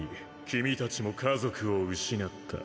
君達も家族を失った